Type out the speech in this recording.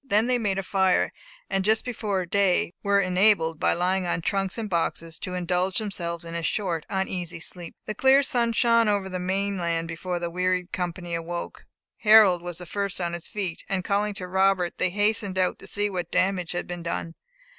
Then they made a fire; and just before day were enabled, by lying on trunks and boxes, to indulge themselves in a short uneasy sleep. The clear sun shone over the main land before the wearied company awoke. Harold was the first on his feet, and calling to Robert, they hastened out to see what damage had been done.